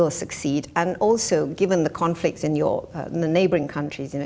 dan juga berdasarkan konflik di negara negara sekitar anda